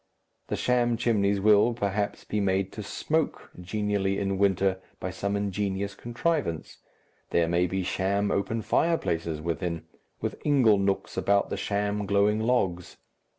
The sham chimneys will, perhaps, be made to smoke genially in winter by some ingenious contrivance, there may be sham open fireplaces within, with ingle nooks about the sham glowing logs.